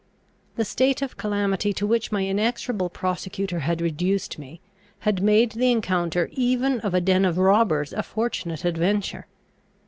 The state of calamity to which my inexorable prosecutor had reduced me, had made the encounter even of a den of robbers a fortunate adventure.